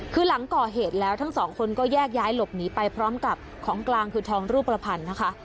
คือหลังก่อเหตุแล้วทั้งสองคนก็แยกย้ายหลบหนีไปพร้อมกับของกลางคือทองรูปประพันธ์นะคะ